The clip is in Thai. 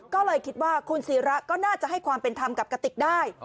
ก็เลยคิดว่าคุณศิระก็น่าจะให้ความเป็นธรรมกับกติกได้